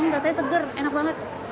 rasanya seger enak banget